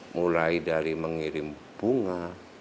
mulai dari mengirim bunga